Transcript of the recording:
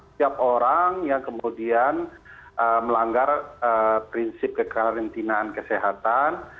setiap orang yang kemudian melanggar prinsip kekarantinaan kesehatan